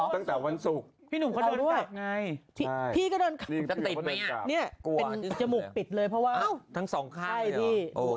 อ้าวตั้งแต่วันศุกร์จะติดมั้ยน่ะจะเป็นจมูกปิดเลยทั้งสองข้าง